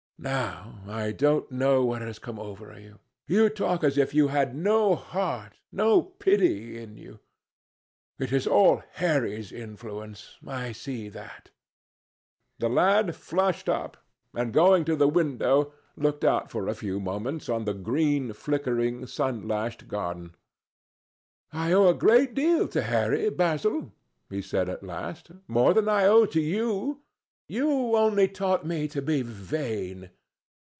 Now, I don't know what has come over you. You talk as if you had no heart, no pity in you. It is all Harry's influence. I see that." The lad flushed up and, going to the window, looked out for a few moments on the green, flickering, sun lashed garden. "I owe a great deal to Harry, Basil," he said at last, "more than I owe to you. You only taught me to be vain."